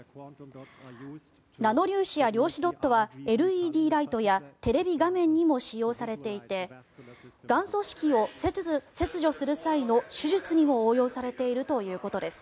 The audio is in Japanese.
ナノ粒子や量子ドットはＬＥＤライトやテレビ画面にも使用されていてがん組織を切除する際の手術にも応用されているということです。